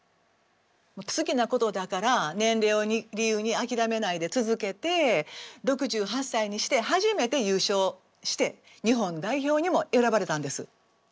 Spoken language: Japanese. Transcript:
好きなことだから年齢を理由に諦めないで続けて６８歳にして初めて優勝して日本代表にも選ばれたんです。